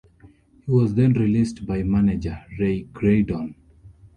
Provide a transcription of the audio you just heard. He was then released by manager Ray Graydon.